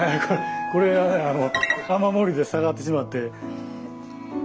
これは雨漏りで下がってしまって。